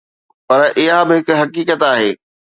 پر اها به هڪ حقيقت آهي.